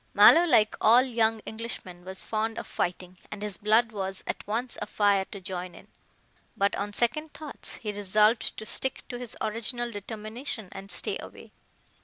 Mallow, like all young Englishmen, was fond of fighting, and his blood was at once afire to join in, but, on second thoughts, he resolved to stick to his original determination and stay away.